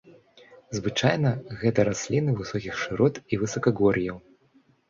Звычайна гэта расліны высокіх шырот і высакагор'яў.